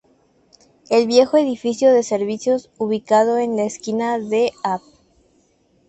El viejo edificio de servicios ubicado en la esquina de Av.